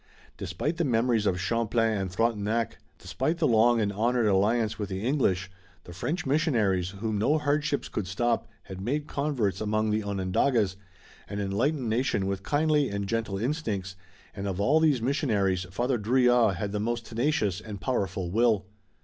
Despite the memories of Champlain and Frontenac, despite the long and honored alliance with the English, the French missionaries, whom no hardships could stop, had made converts among the Onondagas, an enlightened nation with kindly and gentle instincts, and of all these missionaries Father Drouillard had the most tenacious and powerful will.